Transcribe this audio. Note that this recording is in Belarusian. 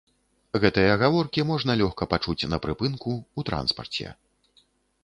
Гэтыя гаворкі можна лёгка пачуць на прыпынку, у транспарце.